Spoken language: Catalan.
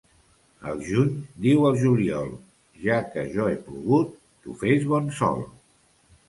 El juny diu al juliol: ja que jo he plogut, tu fes bon sol.